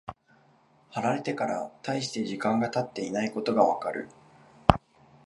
貼られてから大して時間が経っていないことがわかる。